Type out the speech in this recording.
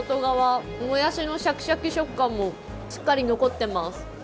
もやしのシャキシャキ食感もしっかり残ってます。